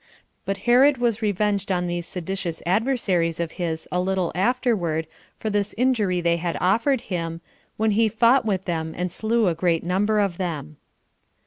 But Herod was revenged on these seditious adversaries of his a little afterward for this injury they had offered him, when he fought with them, and slew a great number of them.